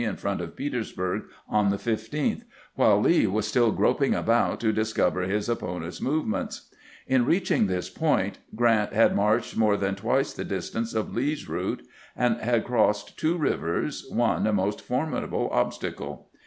F. SMITH'S ATTACK ON PETEESBUKG 203 in front of Petersburg on the 15th, while Lee was still groping about to discover his opponent's movements. In reaching this point, Grant had marched more than twice the distance of Lee's route, and had crossed two rivers, one a most formidable obstacle.